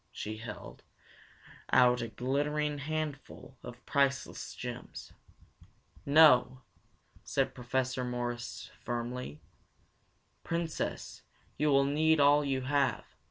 She held out a glittering handful of priceless gems. "No," said Professor Morris firmly. "Princess, you will need all you have.